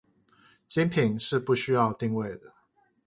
精品是不需要定位的